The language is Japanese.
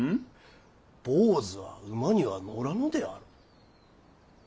坊主は馬には乗らぬであろう。